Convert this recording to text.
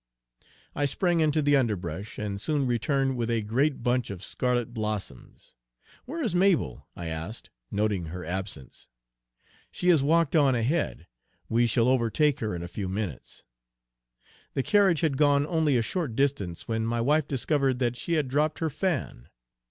I sprang into the underbrush, and soon returned with a great bunch of scarlet blossoms. "Where is Mabel?" I asked, noting her absence. "She has walked on ahead. We shall overtake her in a few minutes." The carriage had gone only a short distance when my wife discovered that she had dropped her fan.